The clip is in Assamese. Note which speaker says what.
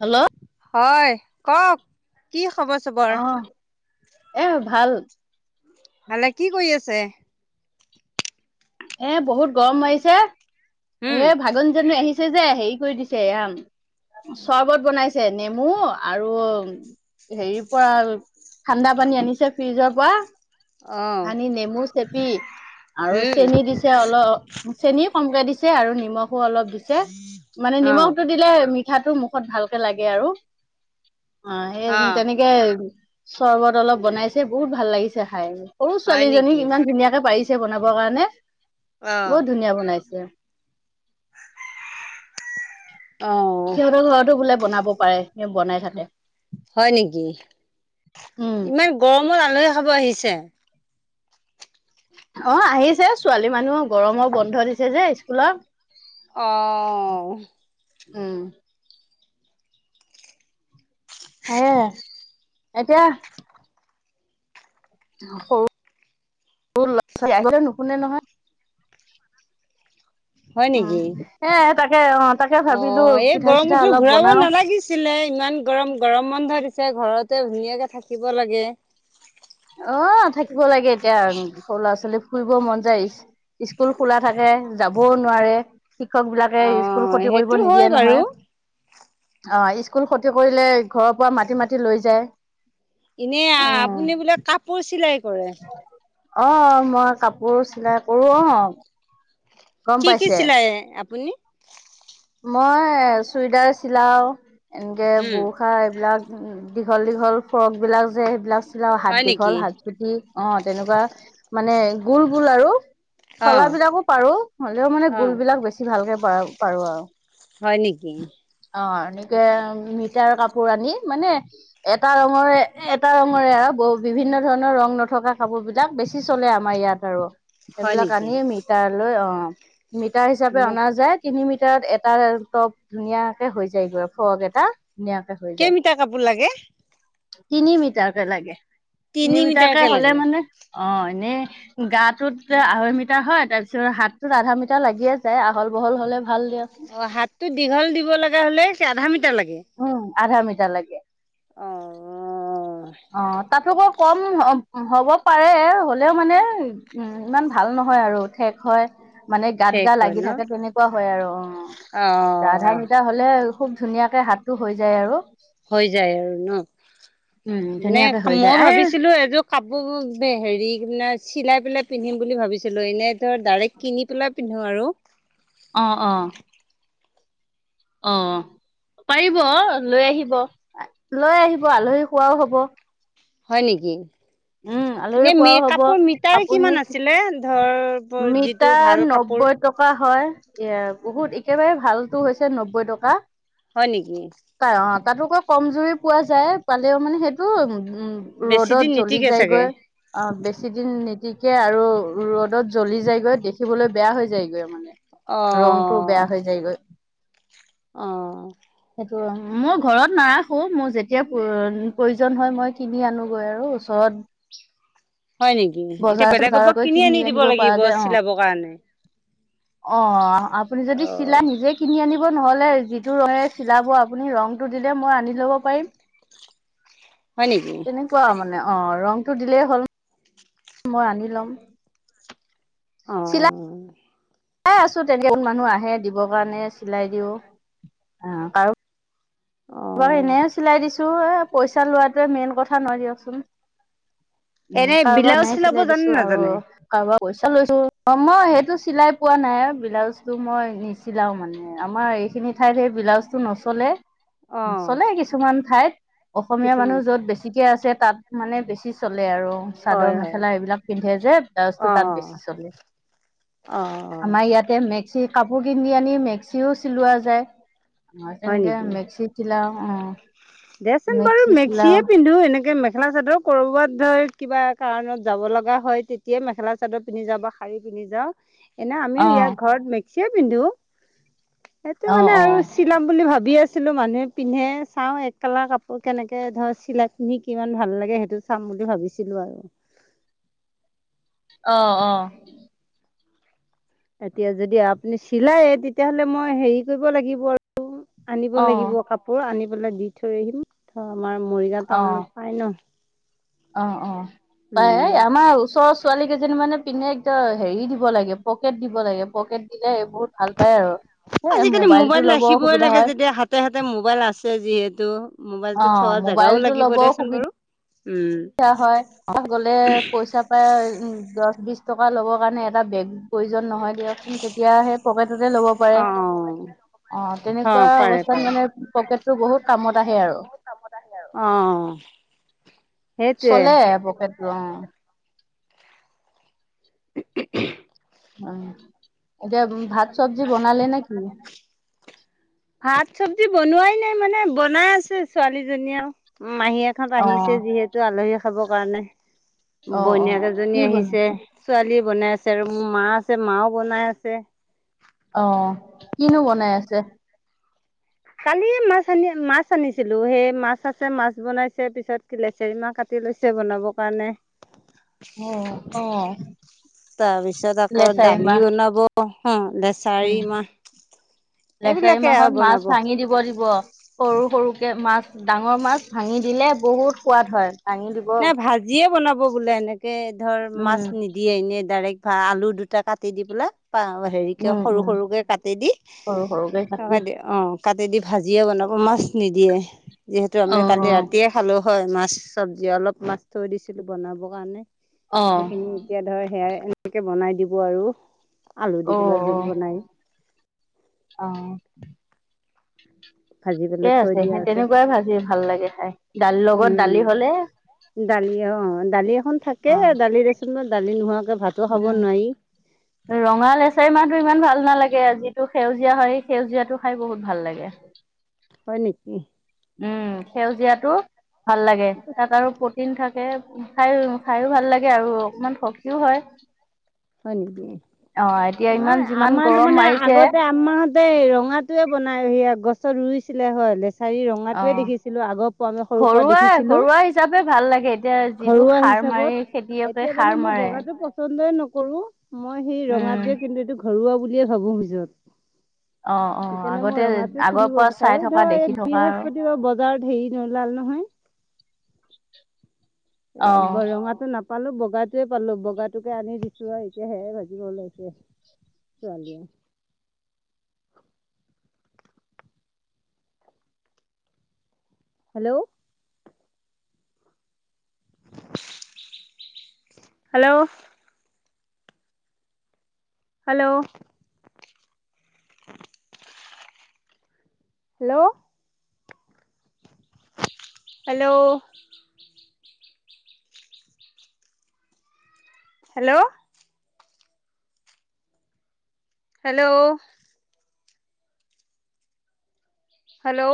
Speaker 1: হেল্ল।
Speaker 2: হয় কওক কি খবৰ-চবৰ?
Speaker 1: অ এ ভাল।
Speaker 2: ভালে। কি কৰি আছে?
Speaker 1: এ বহুত গৰম মাৰিছে, এ ভাগন জানো আহিছে। দিছে যে হেৰি কৰি দিছে এ চৰ্বত বনাইছে নেমু আৰু হেৰি পৰা ঠাণ্ডা পানী আনিছে ফ্ৰিজৰ পৰা,
Speaker 2: অ
Speaker 1: আনি নেমু চেপি আৰু
Speaker 2: উম
Speaker 1: চেনি দিছে অলপ। চেনি কমকে দিছে আৰু নিমখো অলপ দিছে, মানে
Speaker 2: অ
Speaker 1: নিমখতটো দিলে মুখত ভালকে লাগে আৰু অ সেই তেনে সে চৰ্বত অলপ বনাইছে, বহুত ভাল লাগিছে খাই। সৰু
Speaker 2: হয়
Speaker 1: ছোৱালীজনীক
Speaker 2: নেকি
Speaker 1: ইমান ধুনীয়াকে পাৰিছে বনাব কাৰণে,
Speaker 2: অ
Speaker 1: বহুত ধুনীয়া বনাইছে।
Speaker 2: [unintelligible]
Speaker 1: সিহঁতৰ ঘৰতো বোলে বনাব পাৰে স বনাই থাকে
Speaker 2: হয় নেকি।
Speaker 1: উম
Speaker 2: ইমান গৰমত আলহী খাব আহিছে।
Speaker 1: অ আহিছে ছোৱালী মানুহ গৰমৰ বন্ধ দিছে যে স্কুলৰ।
Speaker 2: অ
Speaker 1: উম। হে এতিয়া সৰু সৰু ল'ৰা-ছোৱালী আহিলে নুশুনে নহয়।
Speaker 2: হয়
Speaker 1: উম
Speaker 2: নেকি
Speaker 1: সে তাকে অ' তাকে
Speaker 2: অ
Speaker 1: ভাবিলো
Speaker 2: এই
Speaker 1: পিঠা চিঠা
Speaker 2: গৰমতো
Speaker 1: অলপ
Speaker 2: ঘূৰাব
Speaker 1: বনাও
Speaker 2: নালাগিচি ছিলে ইমান গৰম গৰম বন্ধ দিছে, ঘৰতে ধুনীয়াকে থাকিব লাগে।
Speaker 1: অ' থাকিব লাগে এতিয়া সৰু ল'ৰা-ছোৱালী ফুৰিব মন যায়, স্কুল খোলা থাকে যাবও নোৱাৰে। শিক্ষক বিলাকে
Speaker 2: অ
Speaker 1: স্কুল ক্ষতি কৰিব
Speaker 2: সেইটো হয়
Speaker 1: নিদিয়ে
Speaker 2: বাৰু
Speaker 1: নহয়। অ স্কুল ক্ষতি কৰিলে ঘৰৰ পৰা মাতি মাতি লৈ যায়।
Speaker 2: এনে
Speaker 1: উম
Speaker 2: আপুনি বোলে কাপোৰ চিলাই কৰে?
Speaker 1: অ মই কাপোৰ চিলাই কৰো অ' গম
Speaker 2: কি কি
Speaker 1: পাইছে।
Speaker 2: চিলাই আপুনি?
Speaker 1: মই চুুৱইদাৰ চিলাও এনেকে
Speaker 2: উম
Speaker 1: বুৰসা এইবিলাক দীঘল দীঘল ফ্ৰক বিলাক যে সেইবিলাক চিলাও, হাত
Speaker 2: হয় নেকি
Speaker 1: দীঘল হাত অ' তেনেকুৱা মানে গোল গোল আৰু খলা
Speaker 2: অ',
Speaker 1: বিলাকো পাৰো, হ'লেও মানে
Speaker 2: অ',
Speaker 1: গোল বিলাক বেছি ভালকে পাৰো আৰু।
Speaker 2: হয় নেকি?
Speaker 1: অ' এনেকে মিটাৰ কাপোৰ আনি মানে এটা ৰঙৰে এটা ৰঙৰে আৰু বিভিন্ন ধৰণৰ ৰং নথকা কাপোৰ বিলাক বেছি বেছি চলে আমাৰ ইয়াত আৰু
Speaker 2: হয়
Speaker 1: সেইবিলাক
Speaker 2: নেকি?
Speaker 1: আনি মিটাৰ লৈ অ' মিটাৰ হিচাপে
Speaker 2: মোক
Speaker 1: অনা যায় তিনি মিটাৰত তাৰ টপ ধুনীয়াকে হৈ যায় ফ্ৰক এটা ধুনীয়াকে হৈ যায়
Speaker 2: কেইমিটাৰ কাপোৰ লাগে?
Speaker 1: তিনি মিটাৰকে লাগে তিনি মিটাৰকে হ'লে মানে অ' এনে গাটোত আঢ়ৈ মিটাৰ হয় তাৰপিছত হাতটোত আধা মিটাৰ লাগিয়ে যায় আহল বহল হলে ভাল দিয়া
Speaker 2: অ', হাতটো দীঘল দিব লগা হ'লে কি আধা মিটাৰ লাগে।
Speaker 1: উম, আধা মিটাৰ লাগে।
Speaker 2: অ',
Speaker 1: অ', তাতো কৈ কম হ'ব পাৰে হলেও মানে উম, ইমান ভাল নহয় আৰু ঠেক হয় মানে গাত
Speaker 2: ঠেক
Speaker 1: গা
Speaker 2: হয়
Speaker 1: লাগি
Speaker 2: ন?
Speaker 1: থাকে তেনেকুৱা হয় আৰু অ, আধা
Speaker 2: অ',
Speaker 1: মিটাৰ হয় হলে খুব ধুনীয়াকে হাতটো হৈ যায় আৰু
Speaker 2: হৈ যায় আৰু
Speaker 1: উম
Speaker 2: ন' মানে
Speaker 1: ধুনীয়াকে হৈ যায়
Speaker 2: মই
Speaker 1: আৰে
Speaker 2: ভাবিছিলোঁ এযোৰ কাপোৰ হেৰি চিলাই পেলাই পিন্ধিম বুলি ভাবিছিলোঁ এনেই ধৰ ডাইৰেক্ট কিনি পেলাই পিন্ধো আৰু
Speaker 1: অ', অ', অ', পাৰিব লৈ আহিব লৈ আহিব আলহী খোৱাও হব
Speaker 2: হয় নিকি?
Speaker 1: উম আলহী
Speaker 2: এনে
Speaker 1: খোৱাও হব
Speaker 2: কাপোৰ মিটাৰ
Speaker 1: আপুনি
Speaker 2: কিমান আছিলে ধৰ যিটো
Speaker 1: মিটাৰ
Speaker 2: ভাল
Speaker 1: নব্বৈ
Speaker 2: কাপোৰ?
Speaker 1: টকা হয়, বহুত একেবাৰে ভালতো হৈছে নব্বৈ টকা।
Speaker 2: হয় নিকি?
Speaker 1: অ', তাতোকৈ কমজুৰি পোৱা যায় পালেও মানে সেইটো উম,
Speaker 2: বেছি দিন
Speaker 1: ৰ'দত জ্বলি
Speaker 2: নিটিকে চাগে
Speaker 1: যায়গৈ অ', বেছি দিন নিতিকে আৰু ৰ'দত জ্বলি যায়গৈ দেখিবলৈ বেয়া হৈ যায়গৈ মানে ৰংটো বেয়া
Speaker 2: অ',
Speaker 1: হৈ যায়গৈ
Speaker 2: অ',
Speaker 1: মই ঘৰত নাৰাখো মোৰ যেতিয়া প্ৰয়োজন হয় মই কিনি আনোগৈ আৰু ওচৰত
Speaker 2: হয় নেকি, এতিয়া
Speaker 1: বজাৰ
Speaker 2: বেলেগ
Speaker 1: বজাৰত
Speaker 2: পা
Speaker 1: গৈ
Speaker 2: কিনি আনি দিব
Speaker 1: আনিব পৰা
Speaker 2: লাগিব
Speaker 1: যায় অ
Speaker 2: চিলাবৰ কাৰণে।
Speaker 1: অ', আপুনি যদি চিলা
Speaker 2: অ',
Speaker 1: নিজে কিনি আনিব নহ'লে যিটো ৰঙে চিলাব আপুনি ৰংটো দিলে মই আনি ল'ব পাৰিম।
Speaker 2: হয় নেকি?
Speaker 1: তেনেকুৱা মানে অ, ৰংটো দিলেই হ'ল মই আনি ল'ম। চিলাই
Speaker 2: অ',
Speaker 1: অ', আছো তেনেক মানুহ আহে দিব কাৰণে চিলাই দিওঁ আ, পাৰো
Speaker 2: অ',
Speaker 1: বাৰু এনেও চিলাই দিছোঁ এ পইচা লোৱাটোৱে মেইন কথা নহয় দিয়কচোন। উম,
Speaker 2: এনে
Speaker 1: কাৰোবাক
Speaker 2: ব্লাউজ
Speaker 1: এনেই
Speaker 2: চিলাব
Speaker 1: চিলাই
Speaker 2: জানে
Speaker 1: দিছো আৰু।
Speaker 2: নাজানে
Speaker 1: কাৰোবাক পইচা লৈছো অ, মই সেইটো চিলাই পোৱা নাই, ব্লাউজটো মই নিচিলাও মানে। আমাৰ এইখিনি ঠাইত সেই ব্লাউজটো নচলে।
Speaker 2: অ',
Speaker 1: চলে কিছুমান ঠাইত অসমীয়া
Speaker 2: কিছুমান
Speaker 1: মানুহ য'ত বেছিকে আছে তাত মানে বেছি চলে আৰু। চাদৰ
Speaker 2: হয়, হয়
Speaker 1: মেখেলা এইবিলাক পিন্ধে যে ব্লাউজটো
Speaker 2: অ',
Speaker 1: তাত
Speaker 2: অ',
Speaker 1: বেছি চলে,
Speaker 2: অ',
Speaker 1: আমাৰ ইয়াত তে মেক্সি কাপোৰ কিনি আনি মেক্সিও চিলোৱা যায় আ,
Speaker 2: হয়
Speaker 1: তেনেকে
Speaker 2: নেকি
Speaker 1: মেক্সি চিলাওঁ অ',
Speaker 2: দেচোন বাৰু
Speaker 1: মেক্সি চিলাও
Speaker 2: মেক্সিয়ে পিন্ধো এনেকে মেখেলা চাদৰ কৰবাত ধৰি কিবা কাৰণত যাব লগা হয় তেতিয়াই মেখেলা চাদৰ পিন্ধি যাওঁ বা শাৰী পিন্ধি যাওঁ। এনে আমিও
Speaker 1: অ
Speaker 2: য়াৰ ঘৰত মিক্সিয়ে পিন্ধো, সেইটো
Speaker 1: অ
Speaker 2: মানে
Speaker 1: অ
Speaker 2: আৰু চিলাম বুলি ভাবি আছিলো মানুহে পিন্ধে চাওঁ কালা কাপোৰ কেনেকে ধৰ চিলাই পিন্ধি কিমান ভাল লাগে সেইটো চাম বুলি ভাবিছিলো আৰু
Speaker 1: অ অ
Speaker 2: এতিয়া যদি আপুনি চিলায় তেতিয়াহলে মই হেৰি কৰিব লাগিব আৰু আনিব
Speaker 1: অ
Speaker 2: লাগিব কাপোৰ আনি পেলাই দি থৈ আহিম ধ আমাৰ মৰিগাও
Speaker 1: অ
Speaker 2: টাউনত চাই লও
Speaker 1: অ অ পাই
Speaker 2: উম
Speaker 1: আমাৰ ওচৰ ওচ ছোৱালী কেইজনী মানে পিন্ধে একদম হেৰি দিব লাগে পকেট দিব লাগে পকেট দিলে এইবোৰ ভাল পাই আৰু সেয়ে
Speaker 2: আজিকালি মোবাইল
Speaker 1: মোবাইলতটো ল'ব
Speaker 2: ৰাখিবই
Speaker 1: অসুবিধা
Speaker 2: লাগে
Speaker 1: হয়
Speaker 2: যেতিয়া হাতে হাতে মোবাইল আছে যিহেতু
Speaker 1: অ
Speaker 2: মোবাইলতটো থোৱা জেগাও
Speaker 1: মোবাইলটো
Speaker 2: লাগিব দেচোন বাৰু উম
Speaker 1: ধা হয় গলে পইচা দহ বিছ টকা ল'বৰ কাৰণে এটা বেগ প্ৰয়োজন নহয় দিয়কচোন তেতিয়াহে পকেটতে ল'ব পাৰে
Speaker 2: অ
Speaker 1: অ তেনেকুৱা
Speaker 2: পাৰে
Speaker 1: অৱস্থাত
Speaker 2: পাৰে
Speaker 1: মানে পকেটটো বহুত কামত আহে আৰু
Speaker 2: আহ আৰু আৰু অ সেইটোৱে
Speaker 1: চলে পকেতটো অ
Speaker 2: [inaudible]
Speaker 1: উ এতিয়া ভাত চব্জি বনালে নে কি
Speaker 2: ভাত চবজি বনোৱাই নাই মানে বনাই আছে ছোৱালীজনীয়ে আৰু মাহীয়েক ভাত
Speaker 1: অ
Speaker 2: আহিছে যিহেতু আলহী খাবৰ কাৰণে
Speaker 1: অ অ
Speaker 2: বইন
Speaker 1: কি
Speaker 2: কেইজনী আহিছে
Speaker 1: বনাইছে
Speaker 2: ছোৱালী বনাই আছে আৰু মোৰ মা আছে মাও বনাই আছে
Speaker 1: অ কিনো বনাই আছে
Speaker 2: কালিয়ে মাছ আনি মাছ আনিছিলো সেই মাছ আছে মাছ বনাইছে পিছত লেচেৰী মাহ কাটি লৈছে বনাবৰ কাৰণে
Speaker 1: অ অ
Speaker 2: তাৰপিছত আকৌ
Speaker 1: লেচাৰী
Speaker 2: দালি
Speaker 1: মাহ
Speaker 2: বনাব হ
Speaker 1: উম
Speaker 2: লেছাৰী মাহ
Speaker 1: লেচাৰী
Speaker 2: এইবিলাকে আৰু
Speaker 1: মাহত মাছ
Speaker 2: বনাব।
Speaker 1: ভাঙি দিব দিব সৰু সৰুকে মাছ ডাঙৰ মাছ ভাঙি দিলে বহুত সোৱাদ হয় দাঙি দিব
Speaker 2: নাই ভাজিয়ে বনাব বোলে এনেকে ধৰ মাছ
Speaker 1: উম
Speaker 2: নিদিয়ে এনে ডাইৰেক্ট বা আলু দুটা কাটি দি পেলাই হেৰিকে
Speaker 1: উম
Speaker 2: সৰু
Speaker 1: উম
Speaker 2: সৰুকে কাটি দি
Speaker 1: সৰু সৰুকে কাটি
Speaker 2: দি অ কাটি দি ভাজিয়ে বনাব মাছ নিদিয়ে যিহেতু
Speaker 1: অ
Speaker 2: আমি কালি ৰাতিয়ে
Speaker 1: অ
Speaker 2: খালো হয় মাছ চব্জি অলপ মাছ থৈ দিছিলো বনাব কাৰণে
Speaker 1: অ
Speaker 2: সেইখিনি এতিয়া ধৰ সেয়া এনেকে বনাই দিব আৰু আলু দি পেলাই জোল বনাই
Speaker 1: অ অ আহ
Speaker 2: ভাজি
Speaker 1: ঠিকে
Speaker 2: পেলাই থৈ
Speaker 1: আছে
Speaker 2: দিয়া
Speaker 1: সেই তেনেকুৱাই ভাজি ভাল লাগে খাই দালি লগত দালি
Speaker 2: উম
Speaker 1: হলে
Speaker 2: দালি অ দালি এখন
Speaker 1: অ
Speaker 2: থাকে দালি দেচোন দালি নোহোৱাকে ভাতো খাব নোৱাৰি
Speaker 1: ৰঙা লেচাৰী মাহটো ইমান ভাল নালাগে যিটো সেউজীয়া হয় সেই সেউজীয়াটো খাই বহুত ভাল লাগে
Speaker 2: হয় নেকি
Speaker 1: উম সেউজীয়াটো ভাল লাগে তাত আৰু প্ৰটিন থাক খাই খাইো ভাল লাগে আৰু অকমান সখিও হয়
Speaker 2: হয় নেকি
Speaker 1: অ এতিয়া ইমান যিমান গৰম মাৰিছে
Speaker 2: আমাহতে ৰঙাটোৱে বনাই এয়া গছত ৰুইছিলে হয়লে চাৰি
Speaker 1: অ
Speaker 2: ৰঙাতয়ে দেখিছিলো আগৰ পৰা আমি সৰু পৰা
Speaker 1: ঘৰুৱা
Speaker 2: দেখিছিলো
Speaker 1: ঘৰুৱা হিচাপে ভাল লাগে এতিয়া যিটো
Speaker 2: ঘৰুৱা
Speaker 1: সাৰ মাৰি
Speaker 2: হিচাপত
Speaker 1: খেতিয়কে
Speaker 2: এতিয়া
Speaker 1: সাৰ
Speaker 2: মানে মই
Speaker 1: মাৰে
Speaker 2: বগাটো পচন্দই নকৰো মই সেই
Speaker 1: উম
Speaker 2: ৰঙাটোৱে কিন্তু এইটো ঘৰুৱা বুলিয়ে ভাবো পিছত
Speaker 1: অ অ
Speaker 2: সেইকাৰণে মই
Speaker 1: আগতে
Speaker 2: ৰঙাটো
Speaker 1: আগৰ
Speaker 2: কিনিব
Speaker 1: পৰা চাই
Speaker 2: বিচাৰো
Speaker 1: থকা
Speaker 2: ধৰ এই
Speaker 1: দেখি থকা আৰু
Speaker 2: বৃহস্পতিবাৰ বাৰ ভেৰি নোলাল নহয় এ
Speaker 1: অ
Speaker 2: বৰঙা টো নাপাই পালো বগাটোৱে পালো বগাটোকে আনি দিছো আৰু এতিয়া সেয়া ভাজিব ওলাইছে ছোৱালীয়ে hello hello hello hello hello hello hello hello